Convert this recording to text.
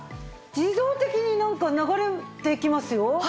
自動的になんか流れていきますよ。